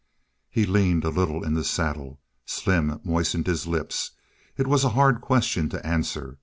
He leaned a little in the saddle. Slim moistened his lips. It was a hard question to answer.